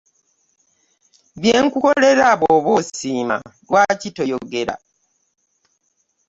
Bye nkukolera bw'oba osijma lwaki toyogera?